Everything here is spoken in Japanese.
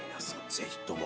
ぜひとも。